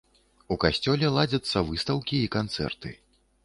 У касцёле ладзяцца выстаўкі і канцэрты.